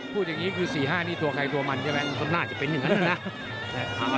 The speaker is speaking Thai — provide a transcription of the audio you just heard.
พูดอย่างนี้คือ๔๕นี่ตัวใครตัวมันใช่ไหมก็น่าจะเป็นอย่างนั้นนะ